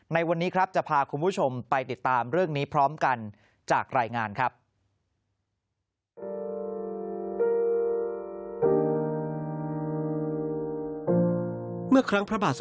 ในวันนี้ครับจะพาคุณผู้ชมไปติดตามเรื่องนี้พร้อมกันจากรายงานครับ